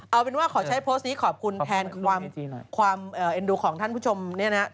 เอาเป็นว่าขอใช้โพสต์นี้ขอบคุณแทนความเอ็นดูของท่านผู้ชมเนี่ยนะ